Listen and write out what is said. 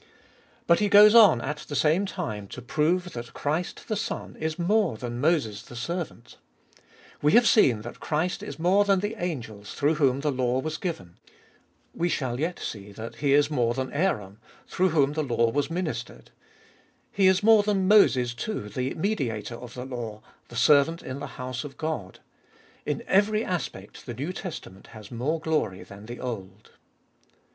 But he goes on at the same time to prove that Christ the Son is more than Moses the servant We have seen that Christ is more than the angels through whom the law was given ; we shall yet see that He is more than Aaron, through whom the law was ministered ; He is more than Moses too, the mediator of the law, the servant in the house of God. In every aspect the New Testament has more glory than the Old.